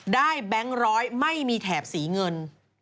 แบงค์ร้อยไม่มีแถบสีเงิน